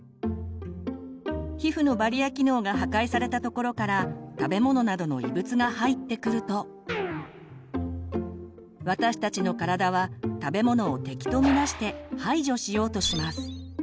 皮膚のバリア機能が破壊された所から食べ物などの異物が入ってくると私たちの体は食べ物を敵と見なして排除しようとします。